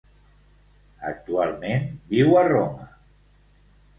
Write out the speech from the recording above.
Actualment viu a Roma.